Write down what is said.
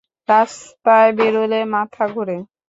রাস্তায় বেরুলে মাথা ঘোরে।